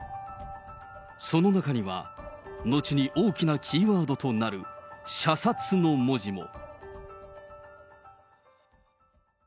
その中には、後に大きなキーワードとなる射殺の文字も。